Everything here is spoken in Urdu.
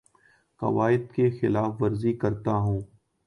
قوائد کی خلاف ورزی کرتا ہوں